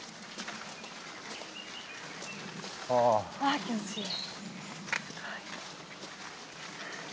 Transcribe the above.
あ気持ちいい。